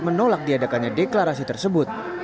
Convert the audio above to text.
menolak diadakannya deklarasi tersebut